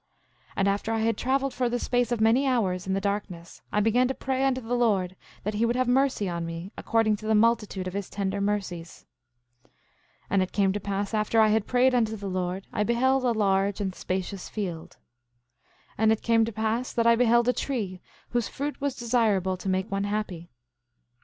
8:8 And after I had traveled for the space of many hours in darkness, I began to pray unto the Lord that he would have mercy on me, according to the multitude of his tender mercies. 8:9 And it came to pass after I had prayed unto the Lord I beheld a large and spacious field. 8:10 And it came to pass that I beheld a tree, whose fruit was desirable to make one happy.